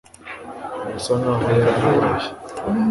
birasa nkaho yari arwaye